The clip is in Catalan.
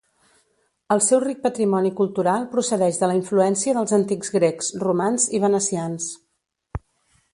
El seu ric patrimoni cultural procedeix de la influència dels antics grecs, romans i venecians.